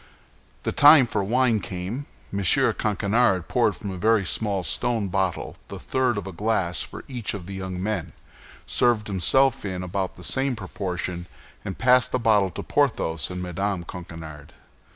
The time for wine came. M. Coquenard poured from a very small stone bottle the third of a glass for each of the young men, served himself in about the same proportion, and passed the bottle to Porthos and Mme. Coquenard.